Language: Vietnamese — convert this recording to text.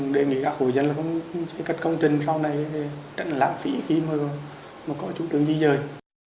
đề nghị cả hộ dân là không xây cất công trình sau này để trận lãng phí khi mà có chú trường di dời